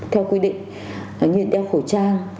theo quy định như là đeo khẩu trang